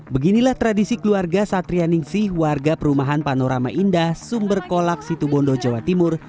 beginilah tradisi keluarga satria ningsih warga perumahan panorama indah sumber kolak situbondo jawa timur